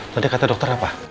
tadi kata dokter apa